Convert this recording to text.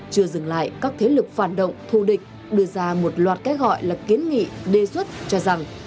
chưa dừng lại các thế lực phản động thù địch đưa ra một loạt cái gọi là kiến nghị đề xuất cho rằng